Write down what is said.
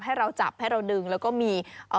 ให้เราจับให้เราดึงแล้วก็มี